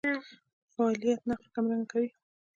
فاعلیت نقش کمرنګه کوي.